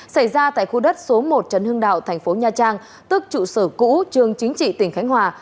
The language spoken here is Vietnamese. xảy ra tại khu đất số một trần hưng đạo thành phố nha trang tức trụ sở cũ trường chính trị tỉnh khánh hòa